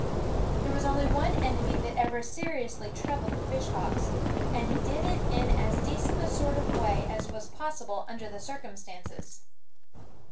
There was only one enemy that ever seri ously troubled the fishhawks ; and he did it in as decent a sort of way as was possible under the circumstances.